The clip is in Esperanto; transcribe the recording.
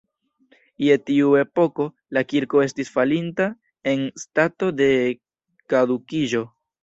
Je tiu epoko, la kirko estis falinta en stato de kadukiĝo.